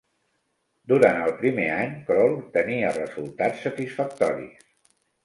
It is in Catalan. Durant el primer any Kroll tenia resultats satisfactoris.